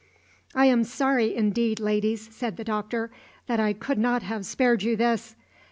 "I am sorry, indeed, ladies," said the Doctor, "that I could not have spared you this.